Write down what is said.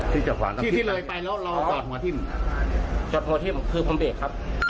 ที่จอดฝางที่ที่เลยไปแล้วเราจอดหัวทิ่มจอดหัวทิ่มคือผมเบรกครับ